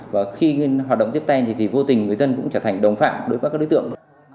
và khi hoạt động tiếp tay thì vô tình người dân cũng trở thành đồng phạm đối với các đối tượng